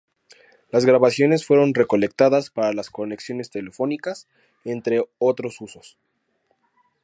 Las grabaciones fueron recolectadas para las conexiones telefónicas, entre otros usos.